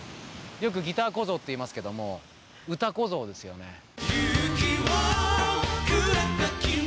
よくギター小僧って言いますけども歌小僧ですよね。